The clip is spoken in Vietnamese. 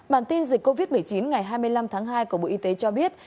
bản tin dịch covid một mươi chín ngày hai mươi năm tháng hai của bộ y tế cho biết